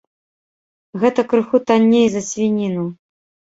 Гэта крыху танней за свініну.